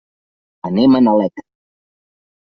Anem a Nalec.